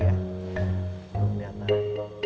nanti lihat lah